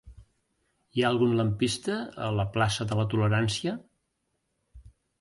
Hi ha algun lampista a la plaça de la Tolerància?